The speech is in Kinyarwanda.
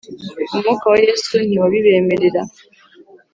umwuka wa Yesu ntiwabibemerera